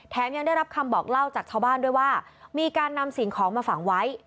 ยังได้รับคำบอกเล่าจากชาวบ้านด้วยว่ามีการนำสิ่งของมาฝังไว้